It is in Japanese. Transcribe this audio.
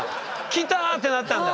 きた！ってなったんだ。